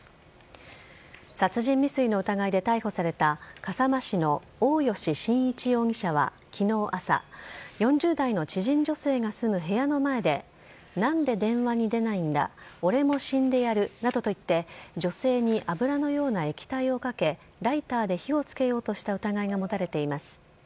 殺人未遂の疑いで逮捕された笠間市の大吉伸一容疑者はきのう朝、４０代の知人女性が住む部屋の前で、なんで電話に出ないんだ、俺も死んでやるなどと言って、女性に油のような液体をかけ、ライターで火をつけようとした疑いが持たれています。